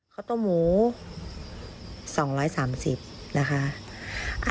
ข้าวต้มหมู๒๓๐บาท